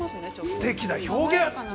◆すてきな表現！